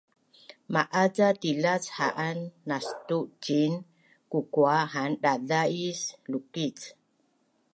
Ma’az ca tilac haan nastu ciin kukua haan dazais lukic